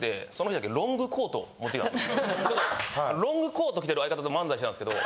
ロングコート着てる相方と漫才してたんですけど